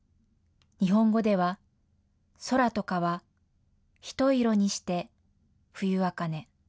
日本語では、空と川ひと色にして冬茜。